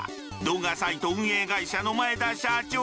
動画サイト運営会社の前田社長。